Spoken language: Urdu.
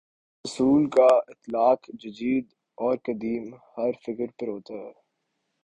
اس اصول کا اطلاق جدید اور قدیم، ہر فکرپر ہوتا ہے۔